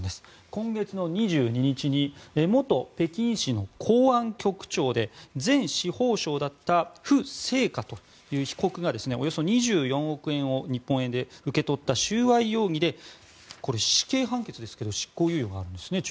今月２２日に元北京市の公安局長で前司法相だったフ・セイカという被告がおよそ２４億円を日本円で受け取った収賄容疑でこれ、死刑判決ですけど執行猶予があるんですね。